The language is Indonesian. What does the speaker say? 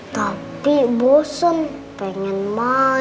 tapi bosan pengen main